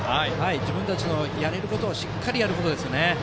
自分たちのやれることをしっかりやることですね。